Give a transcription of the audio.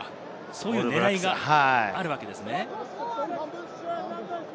そういう狙いがあるわけですね。